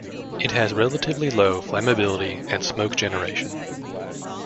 It has relatively low flammability and smoke generation.